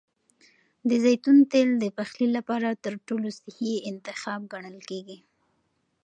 د زیتون تېل د پخلي لپاره تر ټولو صحي انتخاب ګڼل کېږي.